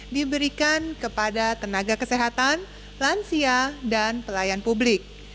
diberikan kepada tenaga kesehatan lansia dan pelayan publik